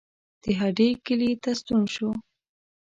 د هډې کلي ته ستون شو.